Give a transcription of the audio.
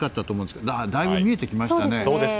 でもだいぶ見えてきましたね。